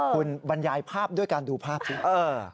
คุณบรรยายภาพด้วยการดูภาพสิ